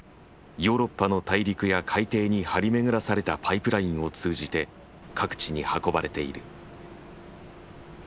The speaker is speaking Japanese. ヨーロッパの大陸や海底に張り巡らされたパイプラインを通じて各地に運ばれている。